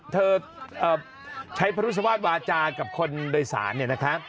เธอใช้พระรุสวาสตร์วาจากับคนโดยศาล